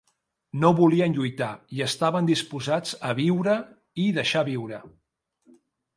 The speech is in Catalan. No volien lluitar, i estaven disposats a viure i deixar viure